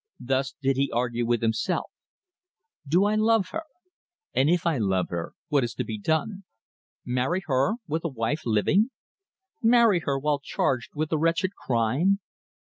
Thus did he argue with himself: "Do I love her? And if I love her, what is to be done? Marry her, with a wife living? Marry her while charged with a wretched crime?